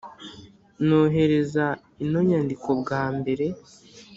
nohereza ino nyandiko bwa mbere,